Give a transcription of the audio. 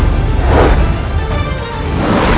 akan kau menang